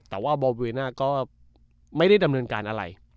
แต่ว่าบอเวน่าก็ไม่ได้ดำเนินการอะไร